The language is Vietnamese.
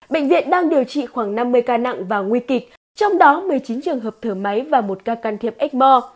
bệnh viện đang điều trị khoảng năm mươi ca nặng và nguy kịch trong đó một mươi chín trường hợp thở máy và một ca can thiệp ếchmore